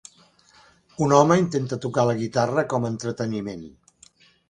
Un home intenta tocar la guitarra com a entreteniment.